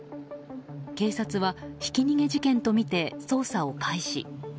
警察はひき逃げ事件とみて捜査を開始。